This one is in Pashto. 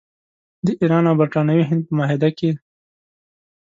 د ایران او برټانوي هند په معاهده کې.